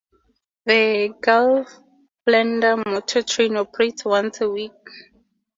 The Gulflander motor train operates once a week.